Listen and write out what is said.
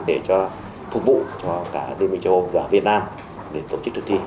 để phục vụ cho cả liên minh châu âu và việt nam để tổ chức thực thi